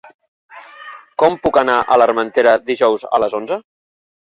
Com puc anar a l'Armentera dijous a les onze?